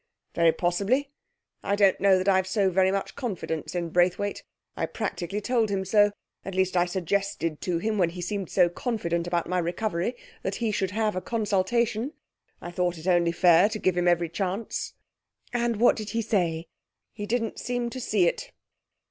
'Very possibly. I don't know that I've so very much confidence in Braithwaite. I practically told him so. At least I suggested to him, when he seemed so confident about my recovery, that he should have a consultation. I thought it only fair to give him every chance.' 'And what did he say?' 'He didn't seem to see it.